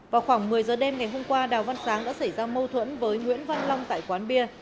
vào khoảng một mươi giờ đêm ngày hôm qua đào văn sáng đã xảy ra mâu thuẫn với nguyễn văn long tại quán bia